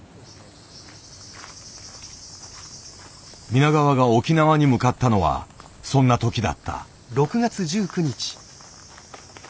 皆川が沖縄に向かったのはそんな時だった。